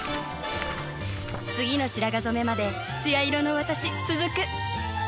次の白髪染めまでつや色の私つづく。